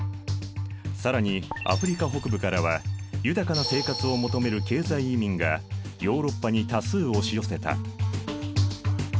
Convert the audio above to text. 更にアフリカ北部からは豊かな生活を求める経済移民がヨーロッパに多数押し寄せた。